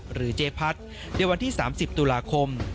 หรือเจพัฒน์ในวันที่๓๐ตุลาคม